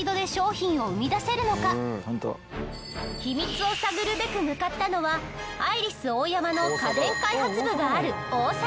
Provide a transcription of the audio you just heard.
秘密を探るべく向かったのはアイリスオーヤマの家電開発部がある大阪。